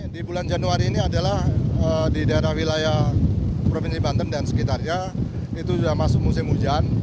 di bulan januari ini adalah di daerah wilayah provinsi banten dan sekitarnya itu sudah masuk musim hujan